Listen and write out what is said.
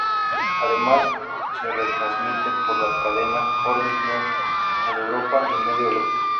Además se retransmite por la cadena "Orbit News" en Europa y Medio Oriente.